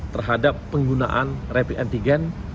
terhadap penggunaan rapid antigen